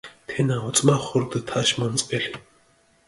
თენა ოწმახო რდჷ თაშ მონწყილი.